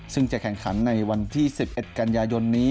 ซึ่งจะแข่งขันในวันที่๑๑กันยายนนี้